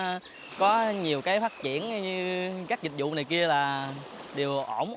bên cạnh đó thì cũng có nhiều cái phát triển như các dịch vụ này kia là đều ổn